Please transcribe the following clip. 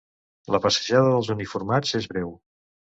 La passejada dels uniformats és breu.